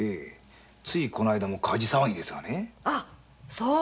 ついこの間も火事騒ぎですがね。